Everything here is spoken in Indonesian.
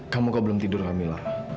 kamu kok belum tidur kak mila